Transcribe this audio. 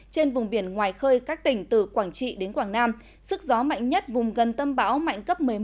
trên vùng biển ngoài khơi các tỉnh từ quảng trị đến quảng nam sức gió mạnh nhất vùng gần tâm bão mạnh cấp một mươi một